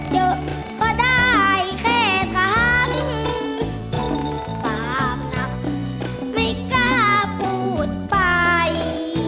เยอะก็ได้แค่คำบาปนักไม่กล้าพูดไป